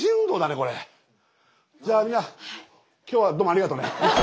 じゃあみんな今日はどうもありがとうね。